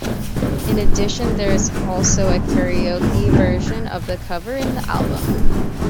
In addition, there is also a karaoke version of the cover in the album.